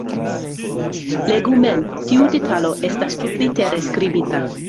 Legu mem: tiu detalo estas tutlitere skribita.